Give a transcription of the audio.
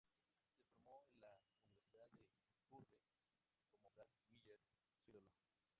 Se formó en la Universidad de Purdue, como Brad Miller, su ídolo.